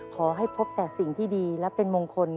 พบแต่สิ่งที่ดีและเป็นมงคล